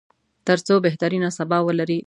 تر څو بهترینه سبا ولري دا یو اړین کار دی.